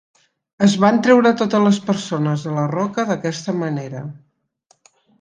Es van treure totes les persones de la roca d'aquesta manera.